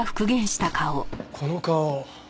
この顔。